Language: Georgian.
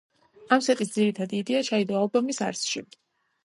ამ სეტის ძირითადი იდეა ჩაიდო ალბომის არსში.